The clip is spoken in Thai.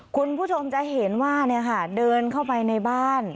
คุณผู้ชมจะเห็นว่าเดินเข้าไปในบ้าน